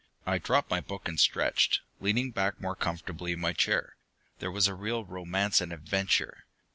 I dropped my book and stretched, leaning back more comfortably in my chair. There was real romance and adventure!